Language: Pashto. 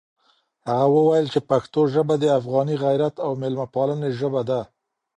هغه وویل چې پښتو ژبه د افغاني غیرت او مېلمه پالنې ژبه ده.